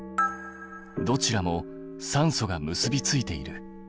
どちらも酸素が結びついている。